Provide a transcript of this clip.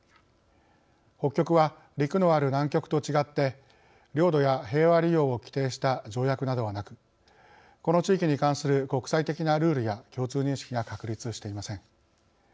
北極は陸のある南極と違って領土や平和利用を規定した条約などはなくこの地域に関する国際的なルールや共通認識が確立していません。